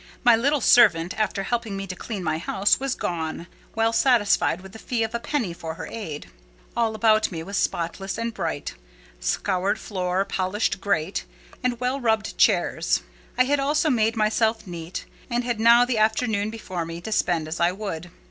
My little servant, after helping me to clean my house, was gone, well satisfied with the fee of a penny for her aid. All about me was spotless and bright—scoured floor, polished grate, and well rubbed chairs. I had also made myself neat, and had now the afternoon before me to spend as I would.